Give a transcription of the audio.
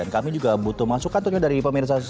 dan kami juga butuh masukan tentunya dari pemirsa sendiri